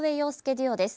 デュオです。